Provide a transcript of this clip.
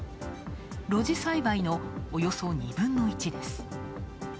露地栽培のおよそ２分の１です。